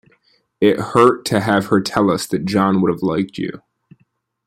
It hurt to have her tell us that John would have liked you.